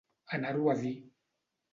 Anar-ho a dir.